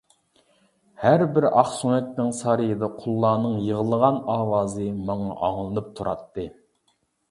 ھەربىر ئاقسۆڭەكنىڭ سارىيىدا قۇللارنىڭ يىغلىغان ئاۋازى ماڭا ئاڭلىنىپ تۇراتتى.